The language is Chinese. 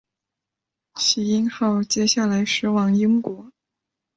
耆英号接下来驶往英国。